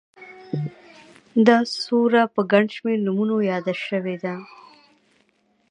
دا سوره په گڼ شمېر نومونو ياده شوې